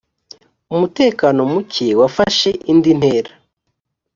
umutekano muke wafashe indintera.